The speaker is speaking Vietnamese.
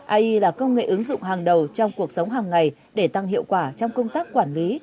ai là công nghệ ứng dụng hàng đầu trong cuộc sống hàng ngày để tăng hiệu quả trong công tác quản lý